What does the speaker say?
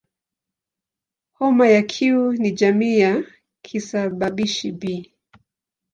Homa ya Q ni jamii ya kisababishi "B".